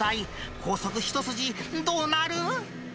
高速一筋、どうなる？